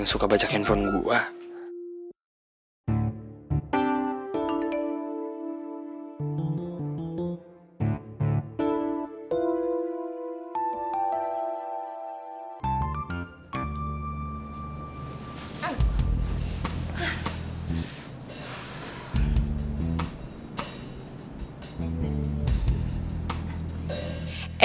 aku suka baca handphone tapi aku suka baca handphone